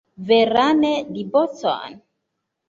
Veran diboĉon!